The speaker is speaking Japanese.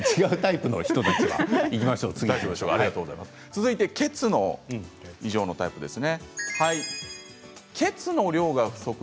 続いて血の異常のタイプです。